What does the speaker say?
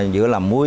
giữa làm muối